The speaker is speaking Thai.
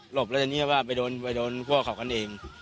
หลบแล้วทีนี้ก็ไปโดนพวกเขากันเอง